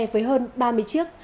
với hơn ba mươi chiếc